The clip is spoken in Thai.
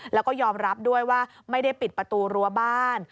แล้วก็ยอมรับด้วยว่าไม่ได้ปิดประตูรั้วบ้าน